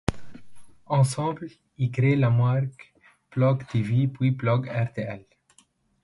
Ensemble, ils créent la marque Plug tv puis Plug rtl.